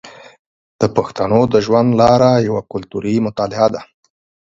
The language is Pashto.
د پښتنو د ژوند لاره یوه کلتوري مطالعه ده.